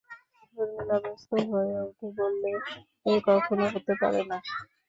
শর্মিলা ব্যস্ত হয়ে উঠে বললে, এ কখনো হতেই পারে না।